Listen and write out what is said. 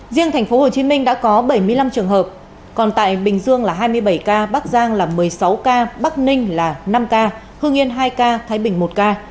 riêng thành phố hồ chí minh đã có bảy mươi năm trường hợp còn tại bình dương là hai mươi bảy ca bắc giang là một mươi sáu ca bắc ninh là năm ca hương yên hai ca thái bình một ca